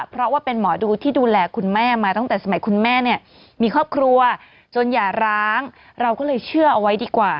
เพราะว่าเป็นหมอดูที่ดูแลคุณแม่มาตั้งแต่สมัยคุณแม่เนี่ยมีครอบครัวจนอย่าร้างเราก็เลยเชื่อเอาไว้ดีกว่า